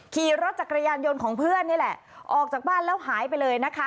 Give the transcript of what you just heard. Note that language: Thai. ขี่รถจักรยานยนต์ของเพื่อนนี่แหละออกจากบ้านแล้วหายไปเลยนะคะ